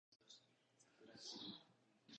さくらちる